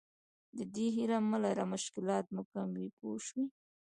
د دې هیله مه لره مشکلات مو کم وي پوه شوې!.